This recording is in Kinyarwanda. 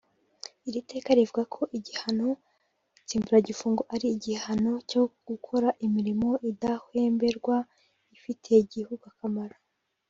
Iri teka rivuga ko igihano nsimburagifungo ari igihano cyo gukora imirimo idahemberwa ifitiye igihugu akamaro